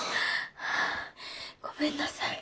はぁごめんなさい。